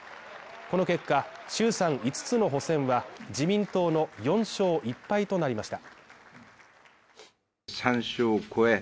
この結果、衆参五つの補選は、自民党の４勝１敗となりました。